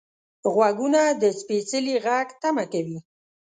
غوږونه د سپیڅلي غږ تمه کوي